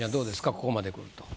ここまでくると。